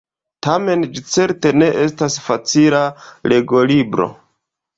Tamen ĝi certe ne estas facila legolibro!